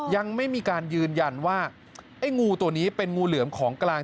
ยังไม่มีการยืนยันว่าไอ้งูตัวนี้เป็นงูเหลือมของกลาง